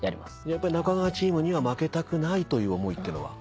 やっぱ中川チームには負けたくないという思いってのは。